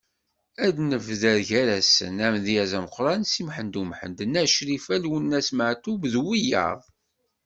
Ad d-nebder gar-asen: Amedyaz ameqqran Si Muḥend Umḥend, Nna Crifa, Lwennas Meɛtub, d wiyaḍ.